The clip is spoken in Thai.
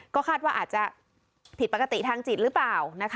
ก็คาดว่าอาจจะผิดปกติทางจิตหรือเปล่า